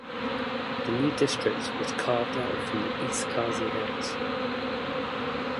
The new District, was carved out from East Khasi Hills.